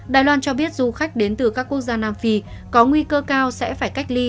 đài loan cho biết du khách đến từ các quốc gia nam phi có nguy cơ cao sẽ phải cách ly